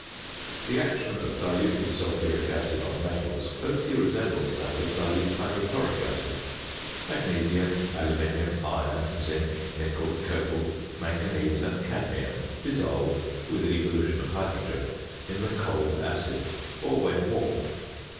The action of diluted sulphuric acid on metals closely resembles that of dilute hydrochloric acid. Magnesium, aluminium, iron, zinc, nickel, cobalt, manganese, and cadmium dissolve, with evolution of hydrogen, in the cold acid, or when warmed.